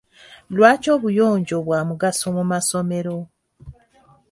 Lwaki obuyonjo bwa mugaso mu masomero?